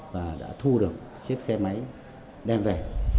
và đã thu được chiếc xe máy đem về